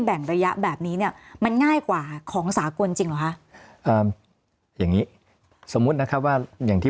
แบ่งระยะแบบนี้เนี่ยมันง่ายกว่าของสากลจริงเหรอคะอย่างงี้สมมุตินะครับว่าอย่างที่